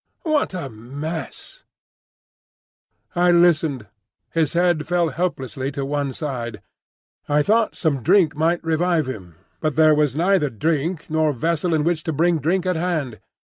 What a mess—" I listened. His head fell helplessly to one side. I thought some drink might revive him; but there was neither drink nor vessel in which to bring drink at hand.